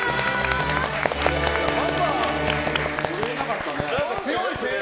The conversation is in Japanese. パパ、震えなかった？